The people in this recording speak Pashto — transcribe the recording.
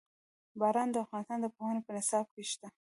باران د افغانستان د پوهنې په نصاب کې شته.